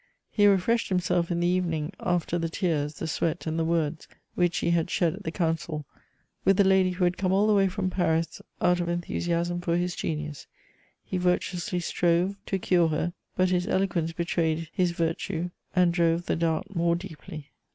He refreshed himself in the evening, after the tears, the sweat and the words which he had shed at the council, with a lady who had come all the way from Paris out of enthusiasm for his genius; he virtuously strove to cure her, but his eloquence betrayed his virtue and drove the dart more deeply.